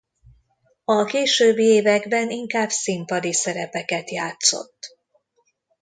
A későbbi években inkább színpadi szerepeket játszott.